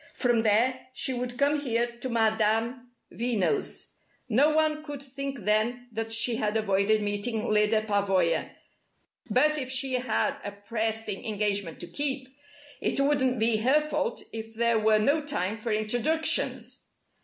From there, she would come here to Madame Veno's. No one could think then that she had avoided meeting Lyda Pavoya, but if she had a pressing engagement to keep, it wouldn't be her fault if there were no time for introductions!